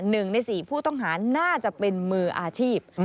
หนึ่งในสี่ผู้ต้องหาน่าจะเป็นมืออาชีพ